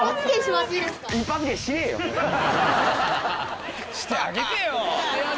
やってあげてよ